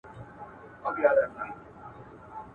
ماویل زه به د سپېدو پر اوږو.